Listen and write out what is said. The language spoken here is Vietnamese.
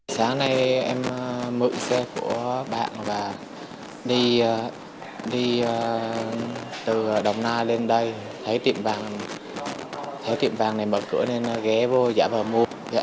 sáng nay em mượn xe của bạn và đi từ đồng nai lên đây thấy tiệm vàng này mở cửa nên ghé vô và mua